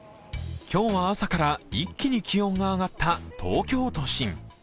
今日は朝から一気に気温が上がった東京都心。